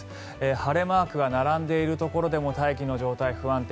晴れマークが並んでいるところでも大気の状態不安定。